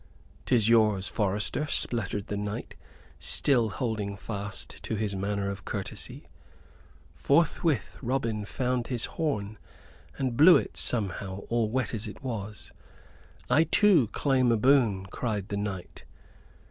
"'Tis yours, forester," spluttered the knight, still holding fast to his manner of courtesy. Forthwith Robin found his horn, and blew it somehow, all wet as it was. "I too claim a boon," cried the knight.